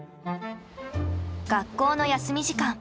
学校の休み時間。